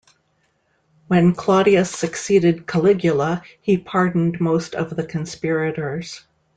When Claudius succeeded Caligula, he pardoned most of the conspirators.